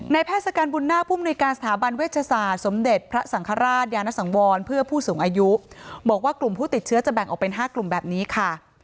แพทย์สการบุญนาคผู้มนุยการสถาบันเวชศาสตร์สมเด็จพระสังฆราชยานสังวรเพื่อผู้สูงอายุบอกว่ากลุ่มผู้ติดเชื้อจะแบ่งออกเป็น๕กลุ่มแบบนี้ค่ะ